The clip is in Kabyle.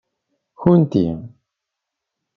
Kkunti.